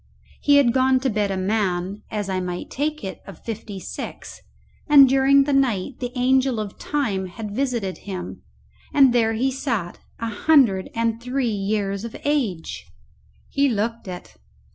He had gone to bed a man, as I might take it, of fifty six, and during the night the angel of Time had visited him, and there he sat, a hundred and three years of age! He looked it.